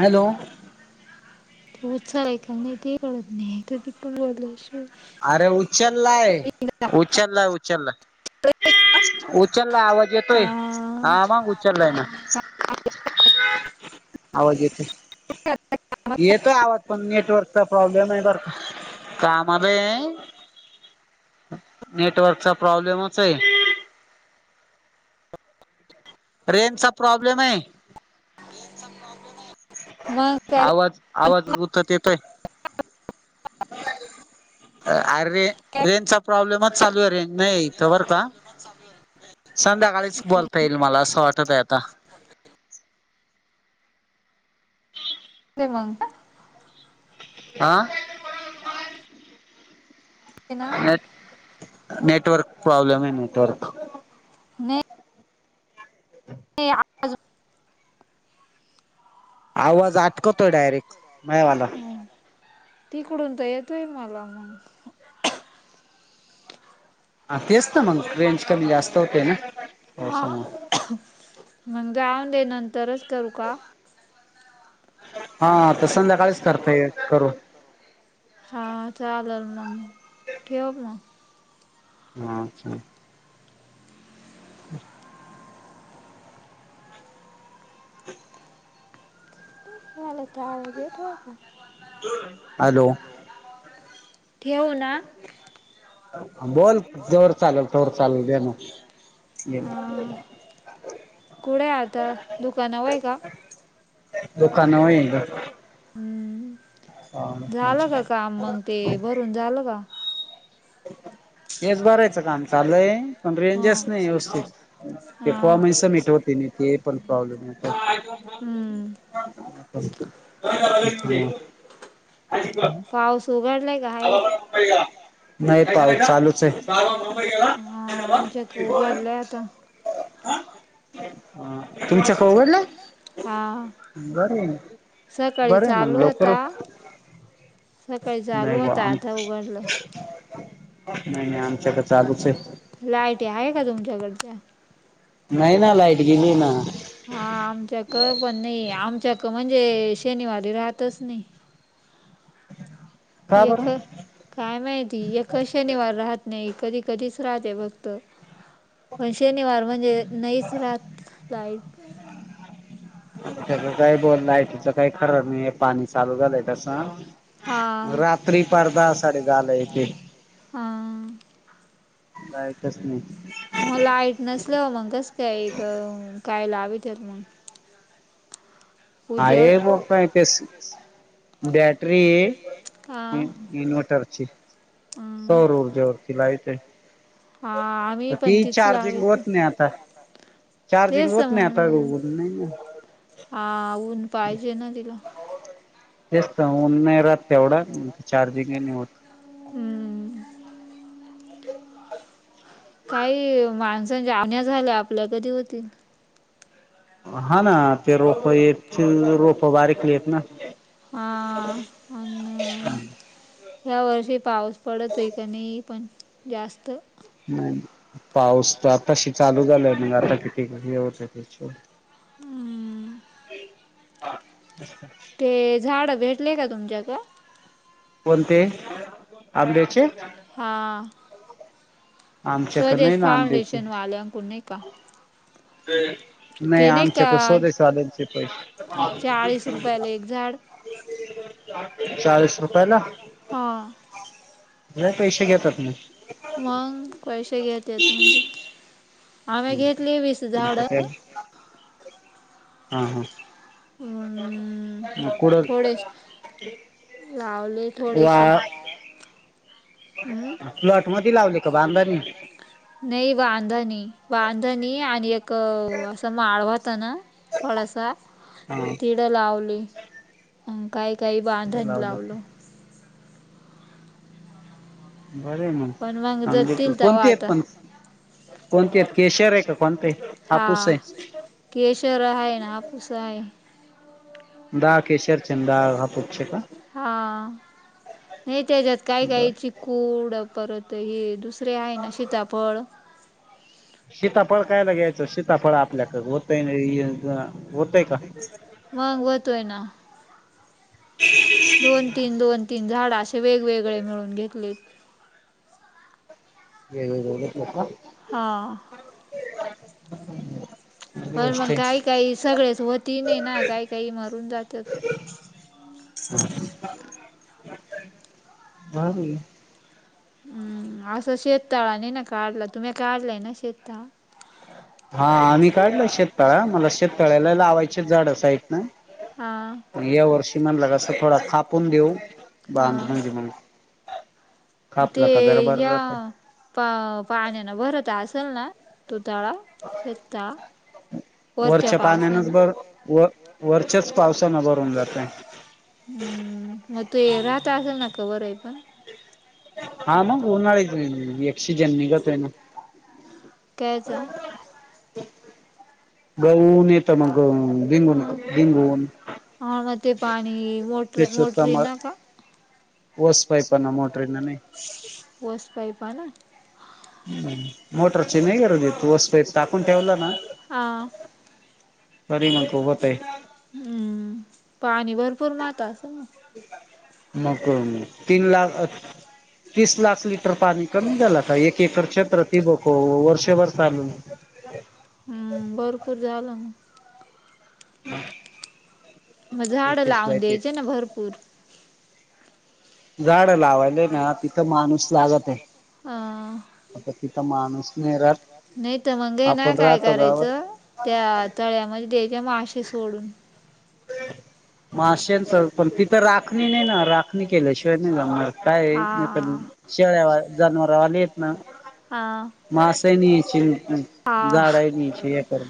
Hello. उचलेका नाही ते कळत नाही तर पण बो अरे उचललाय, उचलला, उचलला उचलला आवाज येतोय हा मग उचलला आहे ना आवाज येतोय येतोय आवाज पण नेटवर्कचा प्रॉब्लेम आहे बर का कामात अरे नेटवर्कचा प्रॉब्लेमच आहे. रेंजचा प्रॉब्लेम आहे. सग [inaudible] आवाज आवाज हुतत येतोय अर रे रेंजचा प्रॉब्लेमच चालू आहे रेंज नाहीये तोवर का संध्याकाळीच बोलता येईल मला असं वाटत आहे आता. ते मग. आ आ नेट नेटवर्क प्रॉब्लेम आहे नेटवर्क. ते आज [inaudible] आवाज आटकतोय डायरेक्ट मायावाला. ह तिकडून तर येतोय मला आवाज. हा तेच तर मग रेंज कमी जास्त होते त्यांच्यामुळे. मग जाऊंदे नंतरच करू का? हा हा आता संध्याकाळीच करता य करू. हा चालेल मग ठेव मग. हा चालल. हम् [inaudible] ह [inaudible] त्याला तर आवरुदे थोडस. हॅलो. ठेवू ना? बोल, जोअर चालेल तोअर चालुदे ना कुढे आता? दुकानावं हाय का? हम्म झालं का काम मंग? ते भरून झालं का? ह [inaudible] तेचं भरायचं काम चालु ए पण रेंजच नाही व्यवस्तीत तू फाॅमहि समीट ही होते नाही ते पण प्रॉब्लेम हाय आता. बस तू. हां. पाऊस उघडलाय काय हाय? नाही पा उस चालूच हाय, हा आमच्यात हीत पडलाय आता. हा ह तुमच्या कड उघडला? बरं हाय म बर हाय मग लवकरच नाही बुवा आम नाही नाही आमच्याकड चालूच हाय, लायटी आहे का तुमच्याकडच्या? नाही ना, लाईट गेलीए ना? हा आमच्याक पण नाहीए, आमच्याक म्हणजे शनिवारी राहतच नाही एक काय माहिती? एक शनिवार राहत नाही, कधी कधीच राहते फक्त पण शनिवार म्हणजे नाहीच राहात जाईल. अच्छ काय बोल लायटच काही खर नाही पाणी चालू झालंय तसं. राात्री परदा साडे दहाला एक एक काय कस नाही? मग लाईट नसल्यावर, मग कस का काय क लावित्यातत मग? आहे ब [unintelligible] बॅटरी इनवटर ठीक हाय. सौर ऊर्जेवरती लायिट हाय, ती चार्जिंग होत नाही आता. चार्जिंग होत नाही आता हो त नाही तेच ताऊन नाही राहत एवढ, चार्जिंग नाही होत हूम. काही माणसं [unintelligible] झाल्या आपल्या कधी होतील? हा ना ते रोप येत रोप बारीक येत ना. हा हा ना ह्या वर्षी पाऊस पडत हाय का नाही? पण जास्त नाही पाऊस तर आताशी चालू झालाय, म आता किती हे होतय ते? हूमम. हा. ते झाड भेटले का तुमच्या क? कोणते आंबे? हा. स्वदेश फाउंडेशन वाल्यांकून नाही का? नाही आमच्याक स्वदेशवाल्यांचे पैसे चाळीस रुपयला? हा. नाही, पैसे घेतात ना. मग पैसे घेतेत म्हणजे, आम्ही घेतली वीस झाड. हा हा. [unintelligible] [inaudible] प्लॉट मध्ये लावले का, बांधणी नाही, बांधणी, बांधणी आणि एक असं माळव असताना थोडासा [unintelligible] [inaudible] लावली, अ काही-काही बांधणी लावलं. बरय मग, [unintelligible] कोणते पण? कोणते आहेत, केशर आहे का कोणयेत? हापूस आहे केशर आहे ना, हापूस हाय. हा. नाही त्याच्यात काय काही, चिकूड, परत हे दुसरे आहे ना शीताफळ. शीताफळ कायला घ्यायचं, शीताफळ आपल्याकडे होतय होतय का? मग होतोय ना. दोन-तीन, दोन-तीन, झाड असे वेगवेगळे मिळून घेतलेत. वेगवेगळे घेतलेत का? हां. [unintelligible] [inaudible] पण मग काही काही सगळेच होती नाही ना, काही काही मरून जात्यात. [unintelligible] [inaudible] हम्म! असं शेत ताळा नई ना काढला, तुम्ही काढलंय ना शेत ताळा? हा, आम्ही काढल शेततळा, मला शेततळ्याला लावायचे आहेत झाड साइटन. हा. या वर्षी म्हणला कसं थोडा थापून देऊ, बांधून देऊ म्ह म ते या पा पाण्यान भरत असेल ना, तो तळा शेत ताळा? वरच्या पाण्यानच भर, व वरच्याच पावसानं भरून जातय. हम्म! मग तू राहता असेल ना कवर आहे पण हा मग, उनळीच यक्ष जन निघतोय ना. कायचा? गहून येतं मग गहू, भिंगून भिंगून. हा ना, म ते पाणी मो तेच होता म, वस पईप ना मोटरं [unintelligible] नई. वस पाईप ना. हम्, मोटरचे नाही गरजे, वस पाइप टाकून ठेवला ना तरी नको [unintelligible] हम्म! पाणी भरपूर माता असल ना? म [unintelligible] तीन लाख तीस लाख लिटर पाणी कमी झालं का, एक एकर [unintelligible] त बघक वर्षभर चाल हम्म! भरपूर झालं मग. मग झाड लावून द्यायचे ना भरपूर. झाड लावायलय ना, तिथं माणूस लागत आहे. हा. आता तिथ माणूस नाही राहत. नाही तर मग हे ना काय करायच त्या तळ्यामध्ये द्यायच्या मासे सोडून. माश्याच पण तिथ राखणी नाही ना. राखणी केल्या शिवाय नाही जमणार. काय आहे शेळ्या वाले जनावरा वाले आहेत ना हा मासे नी यायची झाडानयची हे कर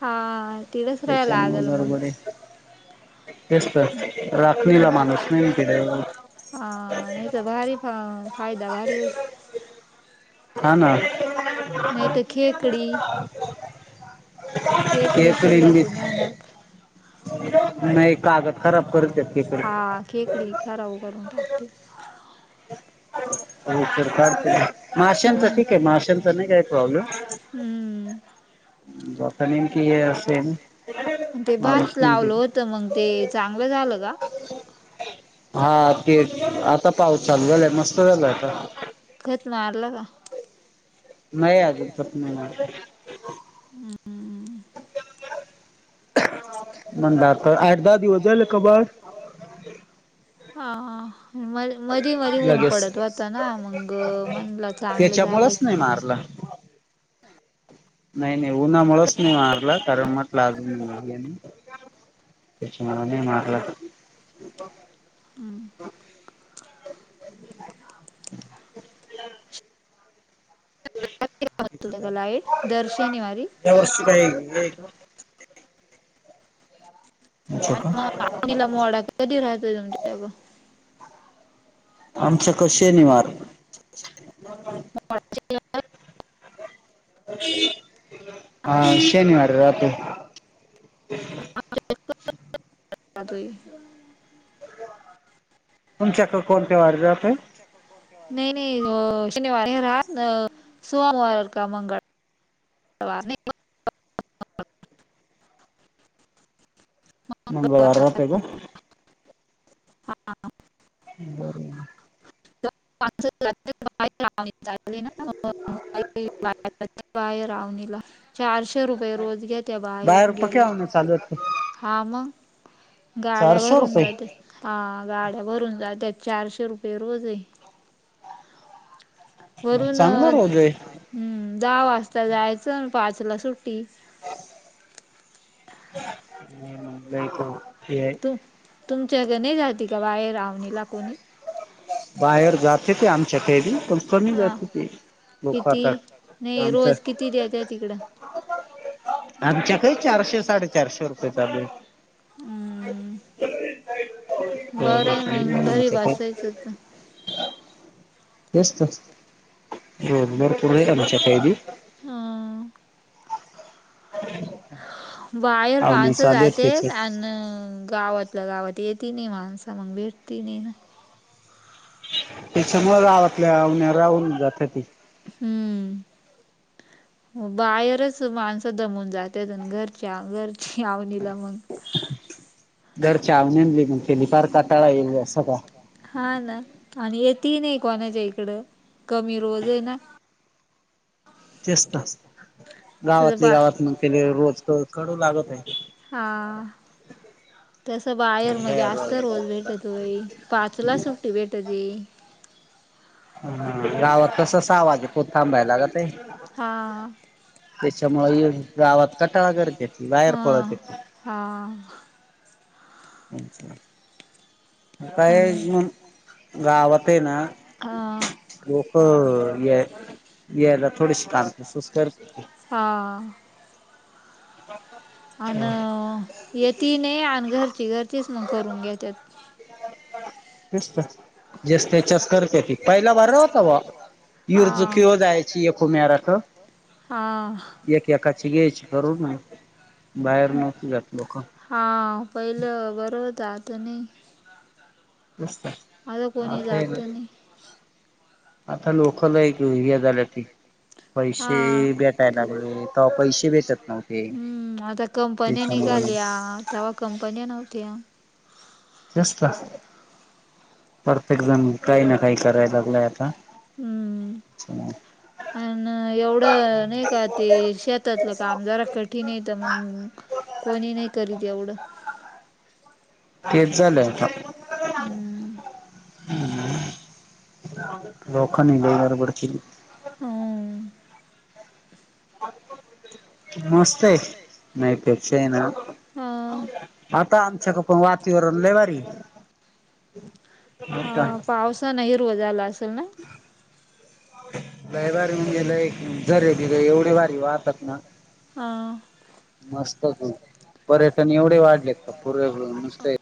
हा तिढच राहाला लागल मग. तेच त राखणीला माणूस नाही ना तिढ. हा नाही तर भारी, फा फायदा भारी होता. नाही तर खेकडी खेकडी सडल्या त नही राहणार. नाही कागद खराब करू द्या. ते करू द्या. ते खराव करून टाकते. आणि सरकारचे हम्म हम्म बोका नेमकी अस आहे ना ते भात लावल होत मग ते चांगल झाल का? हा ते आता पाऊस चालू झालाय. मस्त झालाय आता. खत मारल का? नाही अजून खत नाही मारल. [inaudible] मंग आता आठ दहा दिवस झाल की मार हा हा म मधी मधी ऊन पडत होत ना, मग म्हणल चांगल झाल का. नाही नाही उन्हामुळच नाही मारल. कारण म्हटल अजून हे नाही. त्याच्यामुळ नाही मारल. [inaudible] [inaudible] त लाईट दर शनिवारी या वर्षी काय हे आणि मग आडीला मोडा कधी राहतय तुमच्या ग. आमच्या क शनिवार [unintelligible] हा शनिवारी राहतो. [unintelligible] तुमच्याकडे कोणत्या वारी जातय. नाही नाही शनिवार नाही राहत. सोमवार का मंगळ [unintelligible] मंगळवार राहतोय काय? हा [unintelligible] [unintelligible] बाहेर आवनीला, चारशे रुपये रोज घेत्या बाहेर गल्यावर. हा मग, गाड्या भरून जाते. हा गाड्या भरून जातात. चारशे रुपये रोज आहे. वरून, हम्म दहा वाजता जायचं पाच ला सुट्टी. [unintelligible] [inaudible] तुमच्याकडे नाही जाती का बाहेर आवणीला कोणी? बाहेर जाते ते आमच्या कैरी, पण कमी जाते ते. किती? नाही रोज किती देताय तिकडं? आमच्या काही चारशे, साडे-चारशे रुपये चालूय [inaudible] मस्त, बरं तू नाही का आमच्या कैरीत? हा. [inaudible] बाहेर माणसं जातेतं अन गावात. आपल्या गावात येति नाही माणस, मग भेटती नाही ना. त्याच्यामुळ गावातल्या राहून जात्याती हम्म. बाहेरच माणसं दमून जात्यात, अन घरच्या, घरची आवणीला मग घरच्या आवणीन लग्न केली, फार काटाळा येईल सगळा हा ना, आणि येतही नाही कोणाच्या इकडं, कमी रोज आहे ना. तेच ना, गावातले -गावात मग केले रोज कडू लागत आहे हा. तसं बाहेर म्हणजे जास्त रोज भेटतय, पाचला सुट्टी भेटते. हम्म, गावात हा. त्याच्यामुळ गावात कटाळा करतेती, वायर पळतेती हा. अच्छा. काय यायचं मन, गावात हे ना. लोकं, याय यायला थोडीशी कान सुसकारत्ती हा. [inaudible] आ, नं येतीही नाही आणि घरची घरचीच मग करून घेत्यात. तेच तर. जेस त्याच्यास करते ती पहिला बर होता बा यर चुकी हो जायची एक उम्याराख एक एकाची घ्यायची करून बाहेर नव्हती जात लोक हा पहिलं बरं होतं आता नाही आता कोणी जात नाही आता लोक लई हे झाल्याती पैसे भेटा लागलेत. हम्म आता कंपनी निघाल्या. तवा कंपन्या नव्हत्या तेच तर परतेक जण काही ना काही कराय लागलंय आता अन एवढं नाही का ते शेतातलं काम जरा कठीण येत मग कोणी नाही करत एवढं हम्म [inaudible] लोखंनी लय गडबड केली. हम्म. [inaudible] [inaudible] हा. आता आमच्याक पण वातीवरण लय भारी. हा पावसाना हिरव झालं असेल ना? दयावर येऊन गेलाय एक जरे-भीरे एवढे भारी वाहतात ना मस्त तू पर्यटन एवढे वाढलेत [unintelligible] नुसते.